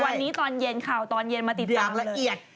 วันนี้ตอนเย็นข่าวตอนเย็นมาติดตามละเอียด